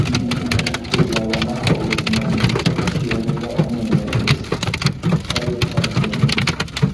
uzabona ko ubuzima bugifite agaciro, niba umwenyuye gusa. - charlie chaplin